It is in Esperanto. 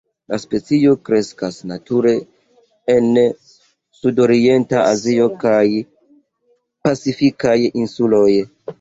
La specio kreskas nature en sudorienta Azio kaj la Pacifikaj insuloj.